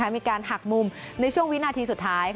มีการหักมุมในช่วงวินาทีสุดท้าย